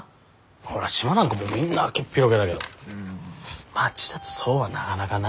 ほら島なんかもうみんな開けっぴろげだけど町だとそうはなかなかな。